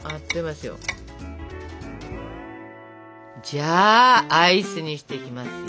じゃあアイスにしていきますよ！